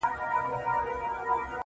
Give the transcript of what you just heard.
ستا د بنگړو مست شرنگهار وچاته څه وركوي.